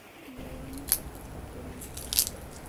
Killawanmi paqaspa purinchik.